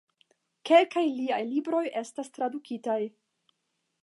Kelkaj liaj libroj estas tradukitaj.